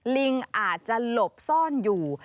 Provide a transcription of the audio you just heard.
ลิงอาจจะหลบซ่อนอยู่